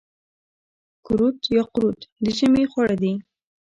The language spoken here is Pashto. کورت یا قروت د ژمي خواړه دي.